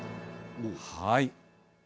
はい。